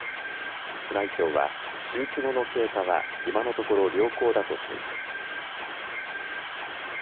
宮内庁は手術後の経過は今のところ良好だとしています。